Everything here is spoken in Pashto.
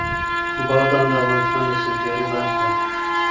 بادام د افغانستان د سیلګرۍ برخه ده.